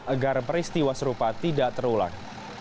agar peristiwa serupa tidak terulang